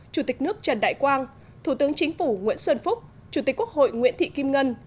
chủ tịch nước trần đại quang thủ tướng chính phủ nguyễn xuân phúc chủ tịch quốc hội nguyễn thị kim ngân